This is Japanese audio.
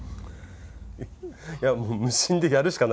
いやもう無心でやるしかないですね